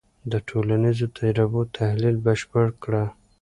د ټولنیزو تجربو تحلیل بشپړ کړه.